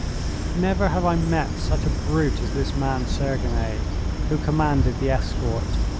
Never have I met such a brute as this man Sergine, who commanded the escort.